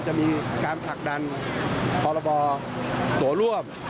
จะมีการผลักดันพรบตัวร่วม